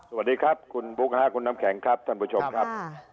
สวัสดีครับคุณบุ๊คคุณน้ำแข็งครับท่านผู้ชมครับ